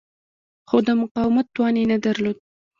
خو د مقاومت توان یې نه درلود.